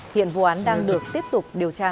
hiện vụ án đang được tiếp tục điều tra